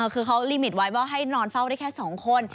คือเขาลิมิตไว้ว่าให้นอนเฝ้าได้แค่๒คน